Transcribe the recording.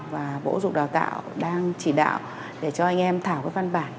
và bộ dục đào tạo đang chỉ đạo để cho anh em thảo các văn bản